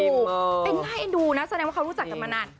เป็นใครดูนะแสดงว่าเขารู้จักกันมานาน